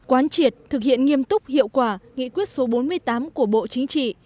quán triệt thực hiện nghiêm túc hiệu quả nghị quyết số bốn mươi tám của bộ chính trị